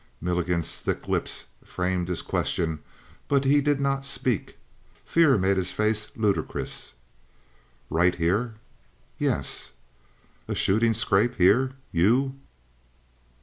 Milligan's thick lips framed his question but he did not speak: fear made his face ludicrous. "Right here?" "Yes." "A shootin' scrape here! You?"